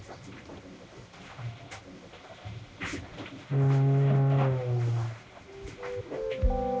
うん。